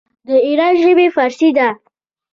د ایران ژبې فارسي ده.